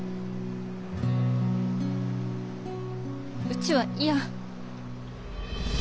うちは嫌。